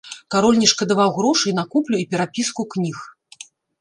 Кароль не шкадаваў грошай на куплю і перапіску кніг.